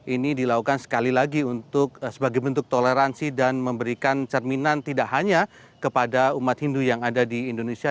ini dilakukan sekali lagi sebagai bentuk toleransi dan memberikan cerminan tidak hanya kepada umat hindu yang ada di indonesia